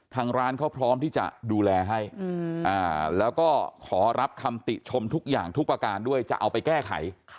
ที่จะดูแลให้แล้วก็ขอรับคำติชมทุกอย่างทุกประการด้วยจะเอาไปแก้ไข